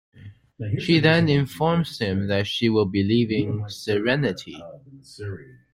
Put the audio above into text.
She then informs him that she will be leaving "Serenity".